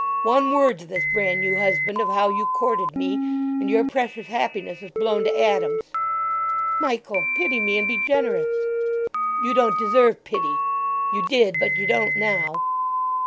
One word to this bran new husband of how you courted me, and your precious happiness is blown to atoms!" "Michael—pity me, and be generous!" "You don't deserve pity! You did; but you don't now."